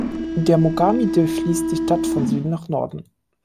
Der Mogami durchfließt die Stadt von Süden nach Norden.